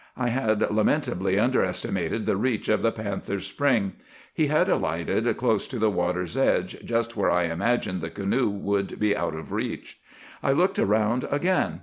I had lamentably underestimated the reach of the panther's spring. He had alighted close to the water's edge, just where I imagined the canoe would be out of reach. I looked around again.